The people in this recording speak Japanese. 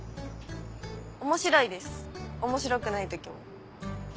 面白いです面白くない時も。